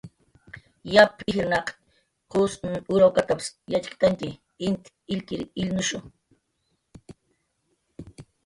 "Yap ijrnaq qus urawkatap"" yatxktantx, int illkir illnushu "